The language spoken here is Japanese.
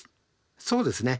そうですね。